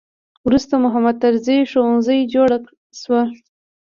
وروسته محمود طرزي ښوونځی جوړ شو.